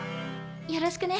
よろしくね。